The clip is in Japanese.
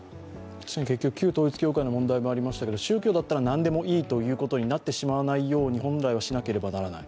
旧統一教会の問題もありましたけど、宗教だったら何でもいいというふうにならないように本来はしなければならない。